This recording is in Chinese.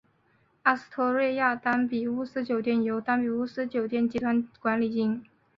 阿斯托瑞亚丹比乌斯酒店由丹比乌斯酒店集团管理经营。